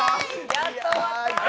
やっと終わった。